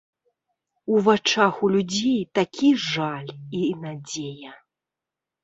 У вачах у людзей такі жаль і надзея!